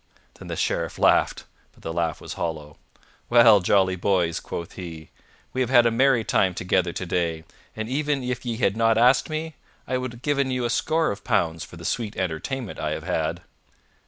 Then the Sheriff laughed, but the laugh was hollow. "Well, jolly boys," quoth he, "we have had a merry time together today, and even if ye had not asked me, I would have given you a score of pounds for the sweet entertainment I have had."